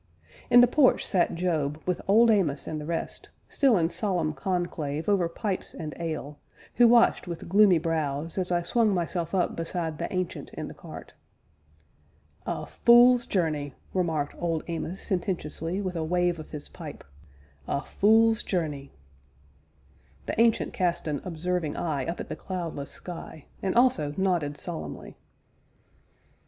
In the porch sat Job, with Old Amos and the rest, still in solemn conclave over pipes and ale, who watched with gloomy brows as I swung myself up beside the Ancient in the cart. "A fule's journey!" remarked Old Amos sententiously, with a wave of his pipe; "a fule's journey!" The Ancient cast an observing eye up at the cloudless sky, and also nodded solemnly.